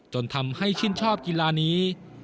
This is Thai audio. จนทำให้ชื่นชอบกีฬานี้